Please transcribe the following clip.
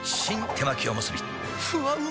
手巻おむすびふわうま